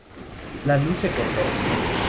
La luz se cortó.